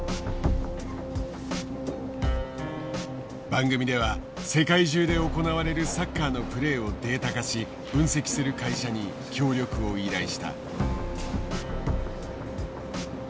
番組では世界中で行われるサッカーのプレーをデータ化し分析する会社に協力を依頼した。